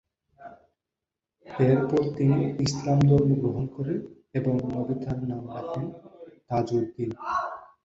এরপর তিনি ইসলাম ধর্ম গ্রহণ করেন এবং নবী তার নাম রাখেন তাজউদ্দিন।